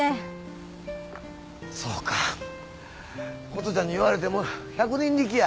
琴ちゃんに言われてもう百人力や。